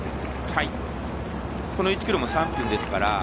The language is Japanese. この１ｋｍも３分ですから。